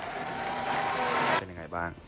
เป็นยังไงบ้าง